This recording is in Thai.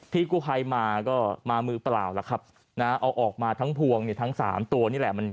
พี่กู้ภัยมาก็มามือเปล่าล่ะครับนะเอาออกมาทั้งพวงเนี่ยทั้งสามตัวนี่แหละ